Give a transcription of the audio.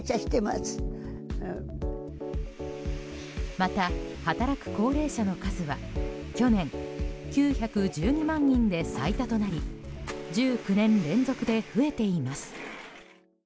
また、働く高齢者の数は去年、９１２万人で最多となり１９年連続で増えています。